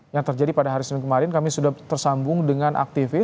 yang terjadi pada hari senin kemarin kami sudah tersambung dengan aktivis